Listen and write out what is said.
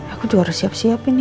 aku juga harus siap siap ini